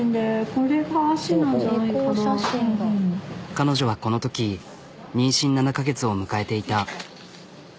彼女はこのとき妊娠７カ月を迎えていた。